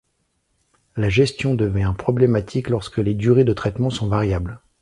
La gestion devient problématique lorsque les durées de traitements sont variables.